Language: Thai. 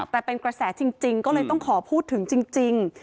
แต่เป็นกระแสจริงก็เลยต้องขอพูดถึงจริง